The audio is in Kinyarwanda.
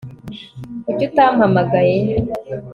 kuki utampamagaye